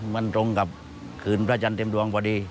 มันตรงกับคืนพระจันทร์เต็มดวงพอดี